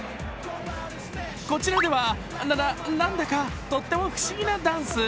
こちらでは、な、なんだかとっても不思議なダンス。